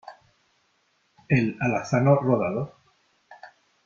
¿ el alazano rodado ?